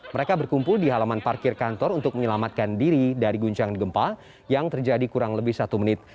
mereka berkumpul di halaman parkir kantor untuk menyelamatkan diri dari guncangan gempa yang terjadi kurang lebih satu menit